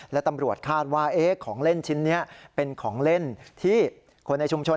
และตำรวจคาดว่าของเล่นชิ้นนี้เป็นของเล่นที่คนในชุมชน